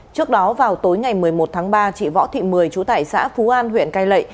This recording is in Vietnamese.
trước đó vào tối ngày một mươi một tháng ba chị võ thị mười trú tại xã phú an huyện cai lệ